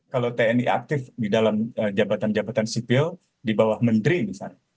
kalau tni aktif di dalam jabatan jabatan sipil di bawah menteri misalnya